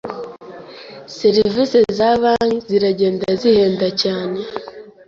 Serivisi za banki ziragenda zihenda cyane.